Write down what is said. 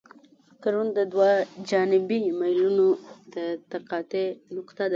کرون د دوه جانبي میلونو د تقاطع نقطه ده